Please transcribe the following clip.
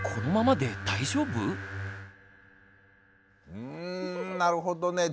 うんなるほどね。